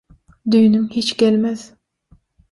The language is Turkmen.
Düýnüň hiç gelmez."